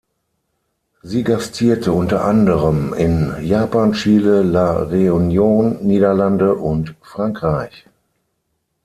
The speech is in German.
Sie gastierte unter anderem in Japan, Chile, La Reunion, Niederlande und Frankreich.